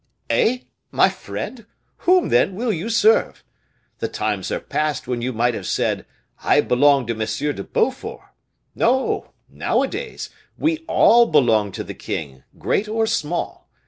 "Eh! my friend, whom, then, will you serve? The times are past when you might have said, 'I belong to M. de Beaufort.' No, nowadays, we all belong to the king, great or small.